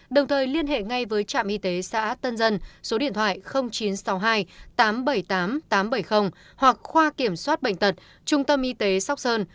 đồng thời liên hệ ngay với trạm y tế xã tân dân số điện thoại chín trăm sáu mươi hai tám trăm bảy mươi tám tám trăm bảy mươi hoặc khoa kiểm soát bệnh tật trung tâm y tế sóc sơn